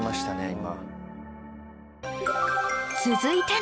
今。